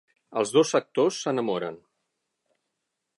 Els dos actors s'enamoren.